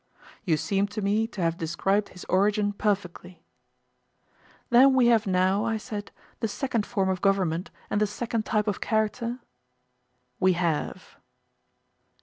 You seem to me to have described his origin perfectly. Then we have now, I said, the second form of government and the second type of character? We have.